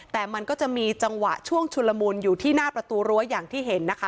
แต่มันก็จะมีจังหวะช่วงชุนละมุนอยู่ที่หน้าประตูรั้วอย่างที่เห็นนะคะ